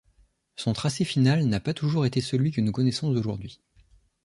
Son tracé final n'a pas toujours été celui que nous connaissons aujourd'hui.